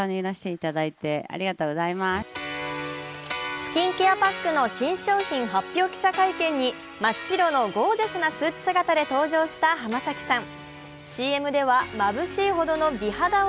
スキンケアパックの新商品発表記者会見に真っ白のゴージャスなスーツ姿で登場した浜崎さん。